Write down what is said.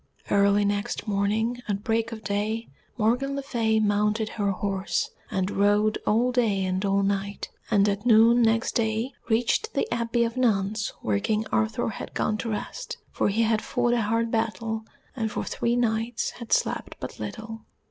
Early next morning at break of day Morgan le Fay mounted her horse and rode all day and all night, and at noon next day reached the Abbey of nuns where King Arthur had gone to rest, for he had fought a hard battle, and for three nights had slept but little.